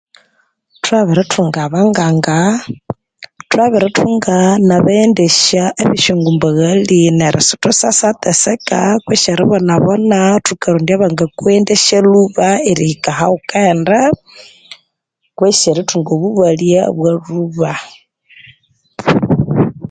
Thawabirithunga abanganga thubirithungaa nabaghendesya abe syangumbaghali neryo sithathasyatteseka kwesi eribonabona thukarondya abangakughendesya lhuba erihika ahaghukaghenda kwesi erithunga obubalya bwa lhuba